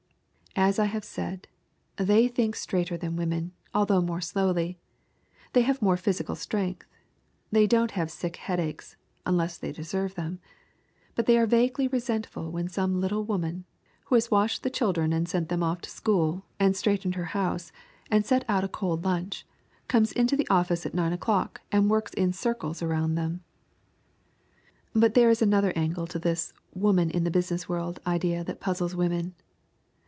As I have said, they think straighter than women, although more slowly. They have more physical strength. They don't have sick headaches unless they deserve them. But they are vaguely resentful when some little woman, who has washed the children and sent them off to school and straightened her house and set out a cold lunch, comes into the office at nine o'clock and works in circles all around them. But there is another angle to this "woman in the business world" idea that puzzles women.